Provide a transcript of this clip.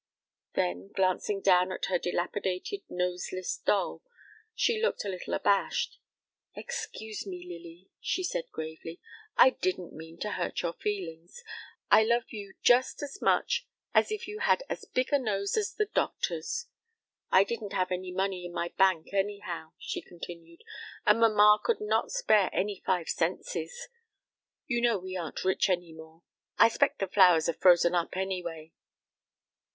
Then, glancing down at her dilapidated, noseless doll, she looked a little abashed. "Excuse me, Lily," she said gravely; "I didn't mean to hurt your feelings. I love you just as much as if you had as big a nose as the doctor's. I didn't have any money in my bank, anyhow," she continued, "and mamma could not spare any five centses. You know we aren't rich any more. I 'spect the flowers are frozen up, anyway."